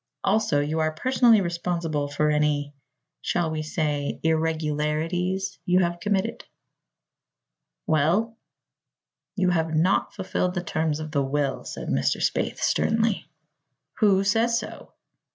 Also you are personally responsible for any shall we say 'irregularities'? you have committed." "Well?" "You have not fulfilled the terms of the will," said Mr. Spaythe sternly. "Who says so?"